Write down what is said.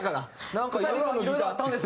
なんかいろいろあったんです